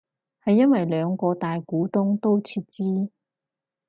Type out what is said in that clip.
係因為兩個大股東都撤資